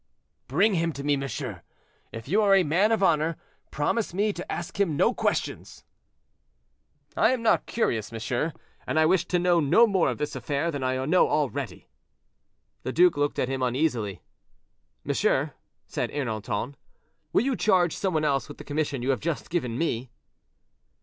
"Bring him to me, monsieur; and if you are a man of honor, promise me to ask him no questions." "I am not curious, monsieur; and I wish to know no more of this affair than I know already." The duke looked at him uneasily. "Monsieur," said Ernanton, "will you charge some one else with the commission you have just given me?"